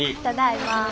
ただいま。